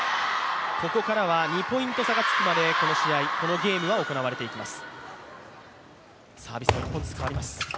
ここからは２ポイント差がつくまでこのゲームは行われていきます。